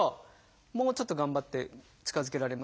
もうちょっと頑張って近づけられます？